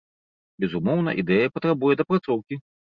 Безумоўна, ідэя патрабуе дапрацоўкі.